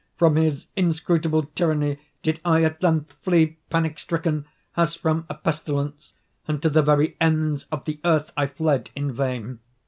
From his inscrutable tyranny did I at length flee, panic stricken, as from a pestilence; and to the very ends of the earth I fled in vain.